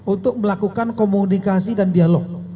untuk melakukan komunikasi dan dialog